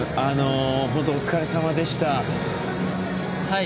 本当お疲れさまでした。